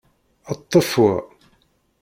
Ṭṭef wa!